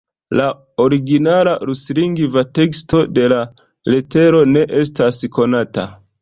La originala, ruslingva teksto de la letero ne estas konata.